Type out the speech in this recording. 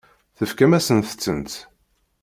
Tefkam-asent-tent.